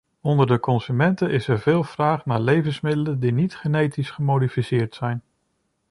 Onder de consumenten is er veel vraag naar levensmiddelen die niet genetisch gemodificeerd zijn.